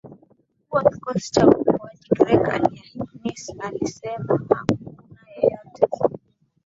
mkuu wa kikosi cha uokoaji grek hainis amesema hakuna yeyote